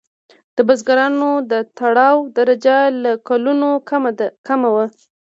د بزګرانو د تړاو درجه له کولونو کمه وه.